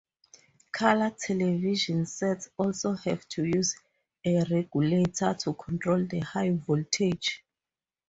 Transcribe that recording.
Color television sets also have to use a regulator to control the high voltage.